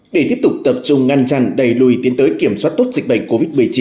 để tiếp tục tập trung ngăn chặn đẩy lùi tiến tới kiểm soát tốt dịch bệnh covid một mươi chín